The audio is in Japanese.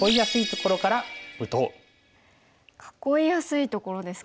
囲いやすいところですか。